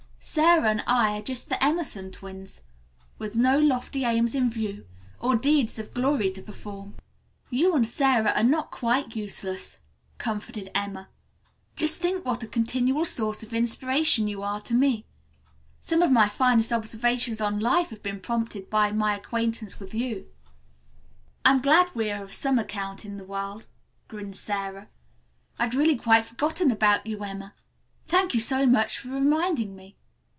Sara and I are just the Emerson twins, with no lofty aims in view, or deeds of glory to perform." "You and Sara are not quite useless," comforted Emma. "Just think what a continual source of inspiration you are to me. Some of my finest observations on life have been prompted by my acquaintance with you." "I'm glad we are of some account in the world," grinned Sara. "I'd really quite forgotten about you, Emma. Thank you so much for reminding me."